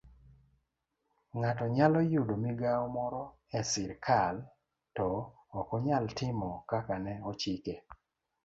Ng'ato nyalo yudo migawo moro e sirkal to okonyal timo kaka ne ochike